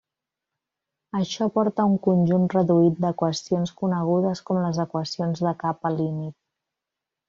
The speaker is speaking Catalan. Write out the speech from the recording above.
Això porta a un conjunt reduït d'equacions conegudes com les equacions de capa límit.